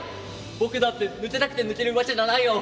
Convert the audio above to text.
僕だって抜けたくて抜けるわけじゃないよ！」。